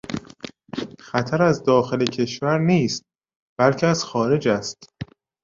خطر از داخل کشور نیست بلکه از خارج است.